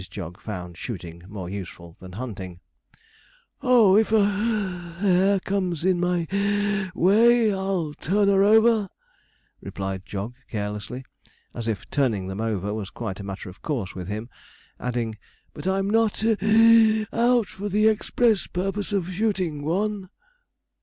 Jog found shooting more useful than hunting. 'Oh, if a (puff) hare comes in my way, I'll turn her over,' replied Jog carelessly, as if turning them over was quite a matter of course with him; adding, 'but I'm not (wheezing) out for the express purpose of shooting one.'